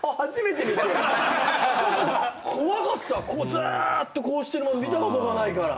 ずっとこうして見たことがないから。